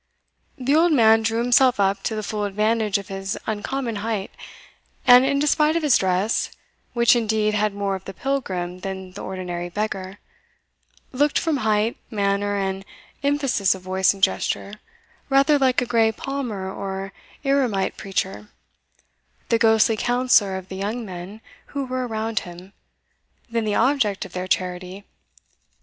The old man drew himself up to the full advantage of his uncommon height, and in despite of his dress, which indeed had more of the pilgrim than the ordinary beggar, looked from height, manner, and emphasis of voice and gesture, rather like a grey palmer or eremite preacher, the ghostly counsellor of the young men who were around him, than the object of their charity.